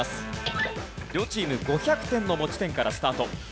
両チーム５００点の持ち点からスタート。